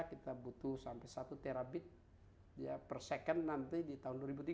kita butuh sampai satu terabit per second nanti di tahun dua ribu tiga puluh